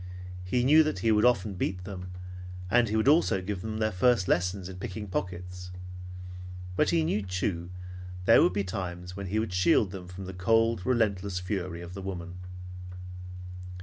He knew that he would often beat them, and he would also give them their first lessons in picking pockets; but he knew, too, that there would be times when he would shield them from the cold, relentless fury of the woman.